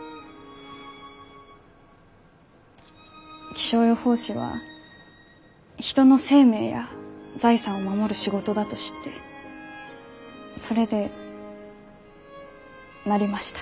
気象予報士は人の生命や財産を守る仕事だと知ってそれでなりました。